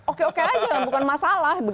oke oke aja bukan masalah